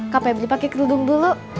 kak febri pake kerudung dulu